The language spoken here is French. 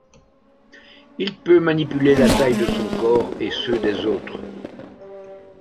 Il peut manipuler la taille de son corps et ceux des autres.